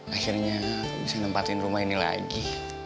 akhirnya bisa nempatin rumah ini lagi